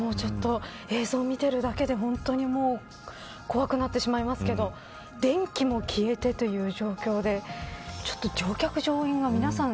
映像、見てるだけで怖くなってしまいますけど電気も消えて、という状況で乗客、乗員の皆さん